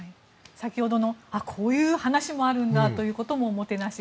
先ほどのこういう話もあるんだということも、おもてなし。